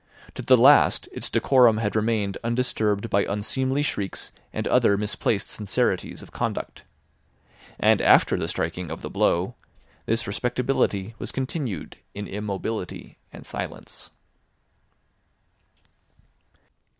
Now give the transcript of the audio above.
To the last its decorum had remained undisturbed by unseemly shrieks and other misplaced sincerities of conduct. And after the striking of the blow, this respectability was continued in immobility and silence.